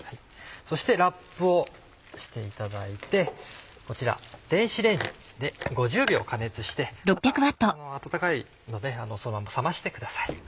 そしてラップをしていただいてこちら電子レンジで５０秒加熱して温かいのでそのまま冷ましてください。